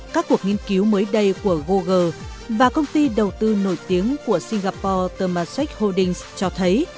các cuộc nghiên cứu mới đây của google và công ty đầu tư nổi tiếng của singapore termaset holdings cho thấy